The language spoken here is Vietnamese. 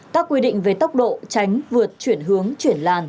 các quy định về tốc độ tránh vượt chuyển hướng chuyển làn